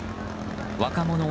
若者